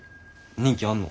人気あんの？